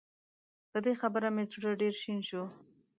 په دې خبره مې زړه ډېر شين شو